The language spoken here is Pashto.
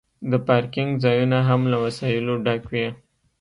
د پارکینګ ځایونه هم له وسایلو ډک وي